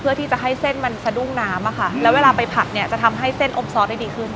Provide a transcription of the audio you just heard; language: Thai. เพื่อที่จะให้เส้นมันสะดุ้งน้ำอะค่ะแล้วเวลาไปผัดเนี่ยจะทำให้เส้นอบซอสได้ดีขึ้น